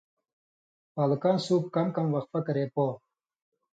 پالکاں سُوپ کم کم وقفہ کرے پو